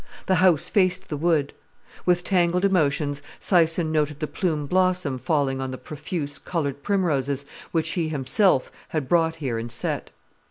The house faced the wood. With tangled emotions, Syson noted the plum blossom falling on the profuse, coloured primroses, which he himself had brought here and set.